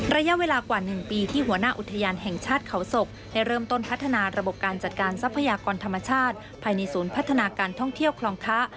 ระยะเวลากว่า๑ปีที่หัวหน้าอุทยานแห่งชาติเขาศกได้เริ่มต้นพัฒนาระบบการจัดการทรัพยากรธรรมชาติภายในศูนย์พัฒนาการท่องเที่ยวคลองคะ